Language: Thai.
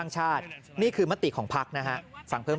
ดังนั้นเที่ยวนี้นะครับสะไกลกันทั้งบ้านทั้งเมือง